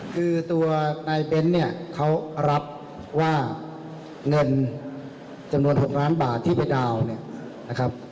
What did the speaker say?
คือตัวนายเบ้นเนี่ยเขารับว่าเงินจำนวน๖ล้านบาทที่ไปดาวน์เนี่ยนะครับ